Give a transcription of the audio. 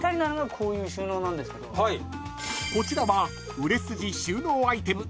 ［こちらは売れ筋収納アイテム］